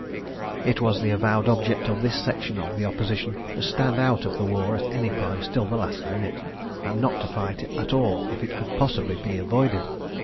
It was the avowed object of this section of the Opposition to stand out of the war at any price till the last minute, and not to fight at all if it could possibly be avoided.